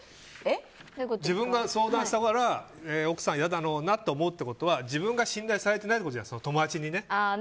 自分が相談したから奥さんが嫌だろうなと思うってことは自分が信頼されていないってことじゃん、友達に。